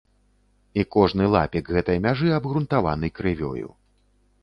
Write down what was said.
І кожны лапік гэтай мяжы абгрунтаваны крывёю.